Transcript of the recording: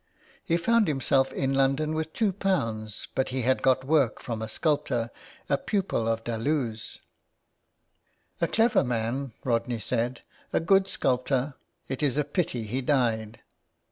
He found himself in London with two pounds, but he had got work from IN THE CLAY. a sculptor, a pupil of Dalous :" a clever man/' Rodney said, ''a good sculptor; it is a pity he died."